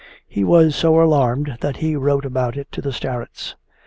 He was so alarmed that he wrote about it to the starets.